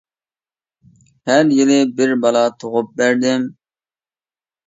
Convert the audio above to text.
ھەر يىلى بىر بالا تۇغۇپ بەردىم.